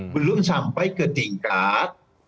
belum sampai ke tingkat